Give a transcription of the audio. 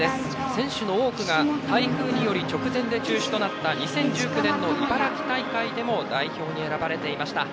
選手の多くが台風により直前で中止となった２０１９年の茨城大会でも代表に選ばれていました。